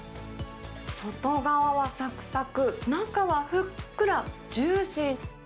外側はさくさく、中はふっくらジューシー。